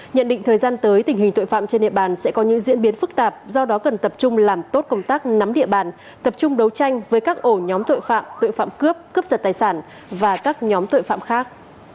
nhận định thời gian tới tình hình tội phạm trên địa bàn sẽ có những diễn biến phức tạp do đó cần tập trung làm tốt công tác nắm địa bàn tập trung đấu tranh với các ổ nhóm tội phạm tội phạm cướp cướp giật tài sản và các nhóm tội phạm khác